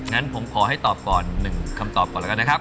งั้นผมขอให้ตอบก่อน๑คำตอบก่อนแล้วกันนะครับ